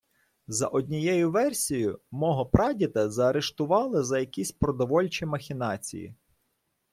За однією версію, мого прадіда заарештували за якісь продовольчі махінації.